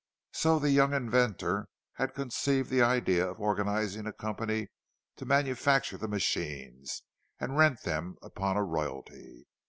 So the young inventor had conceived the idea of organizing a company to manufacture the machines, and rent them upon a royalty.